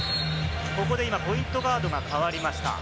ここで今、ポイントガードが代わりました。